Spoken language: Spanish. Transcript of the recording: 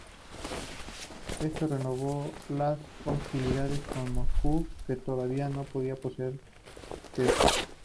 Esto renovó las hostilidades con Moscú, que todavía no podía poseer Tver.